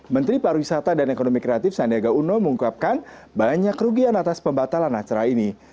menteri pariwisata dan ekonomi kreatif sandiaga uno mengungkapkan banyak kerugian atas pembatalan acara ini